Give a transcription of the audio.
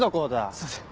すいません。